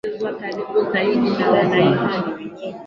kutangaza kulegeza vikwazo vya kiuchumi ulivyokuwa